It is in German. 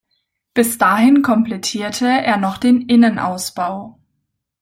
Bis dahin komplettierte er noch den Innenausbau.